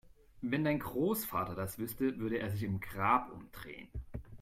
Wenn dein Großvater das wüsste, würde er sich im Grab umdrehen